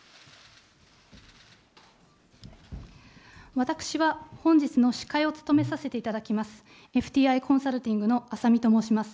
私は本日の司会を務めさせていただきます、ＦＴＩコンサルティングのあさみと申します。